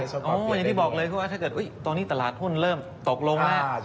ก็อย่างที่บอกเลยคือว่าถ้าเกิดตอนนี้ตลาดหุ้นเริ่มตกลงมา